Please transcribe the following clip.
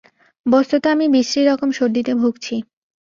বস্তুত আমি বিশ্রী-রকম সর্দিতে ভুগছি।